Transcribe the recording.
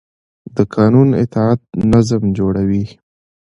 د قانون اطاعت نظم جوړوي